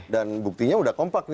dan buktinya udah kompak